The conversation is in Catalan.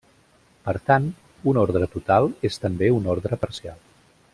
Per tant, un ordre total és també un ordre parcial.